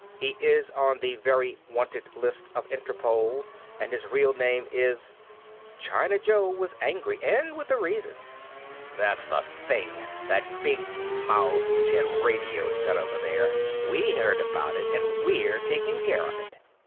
He is on the Very Wanted list of Interpol and his real name is ..." China Joe was angry, and with a reason. "That's the thing ... that big mouthed tin radio set over there. We heard about it and we're taking care of it!"